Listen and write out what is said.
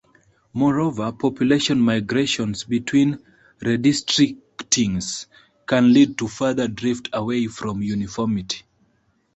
Moreover, population migrations between redistrictings can lead to further drift away from uniformity.